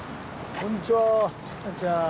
・こんにちは。